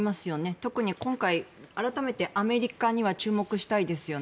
特に今回、改めてアメリカには注目したいですよね。